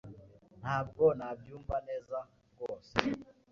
ntabwo nabyumva neza rose